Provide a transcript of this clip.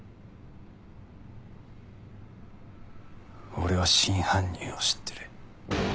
俺は真犯人を知ってる。